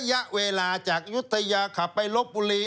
ระยะเวลาจากยุธยาขับไปลบบุรี